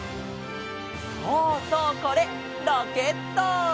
そうそうこれロケット！